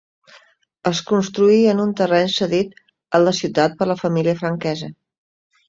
Es construí en un terreny cedit a la ciutat per la família Franquesa.